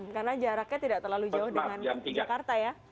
karena jaraknya tidak terlalu jauh dengan jakarta ya